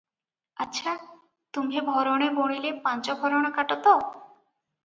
ଆଛା, ତୁମ୍ଭେ ଭରଣେ ବୁଣିଲେ ପାଞ୍ଚଭରଣ କାଟ ତ?